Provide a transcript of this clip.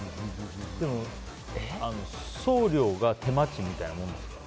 でも送料が手間賃みたいなもんですから。